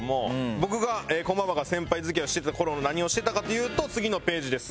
僕が駒場が先輩付き合いをしていた頃に何をしていたかというと次のページです。